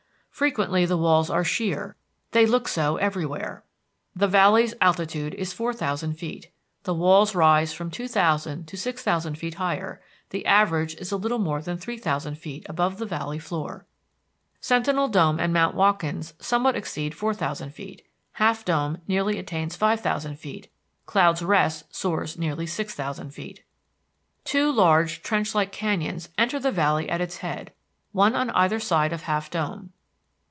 Frequently the walls are sheer; they look so everywhere. The valley's altitude is 4,000 feet. The walls rise from 2,000 to 6,000 feet higher; the average is a little more than 3,000 feet above the valley floor; Sentinel Dome and Mount Watkins somewhat exceed 4,000 feet; Half Dome nearly attains 5,000 feet; Cloud's Rest soars nearly 6,000 feet. Two large trench like canyons enter the valley at its head, one on either side of Half Dome.